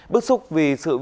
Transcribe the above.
bức xúc vì sự vô dụng